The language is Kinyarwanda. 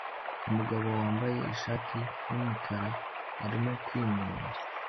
Umugabo wambaye ishati yumukara arimo kwinuba